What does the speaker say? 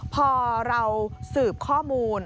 พอเราสืบข้อมูล